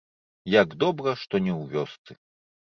Як добра, што не ў вёсцы.